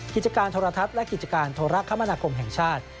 กิจการโทรทัศน์และกิจการโทรคมนาคมแห่งชาติ